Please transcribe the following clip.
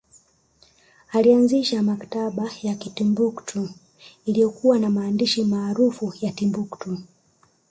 Alianzisha maktaba ya Timbuktu iliyokuwa na maandishi maarufu ya Timbuktu